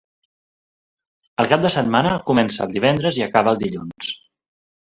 El cap de setmana comença el divendres i acaba el dilluns.